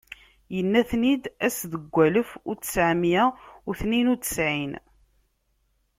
Yenna-ten-id ass deg walef uttɛemya u tniyen u ttɛin.